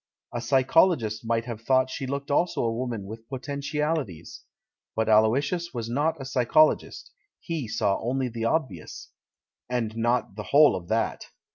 A psychol ogist might have thought she looked also a woman with potentialities. But Aloysius was not a psychologist; he saw only the obvious — and not the w^hole of that.